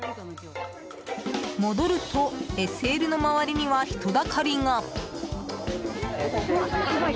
戻るとＳＬの周りには人だかりが。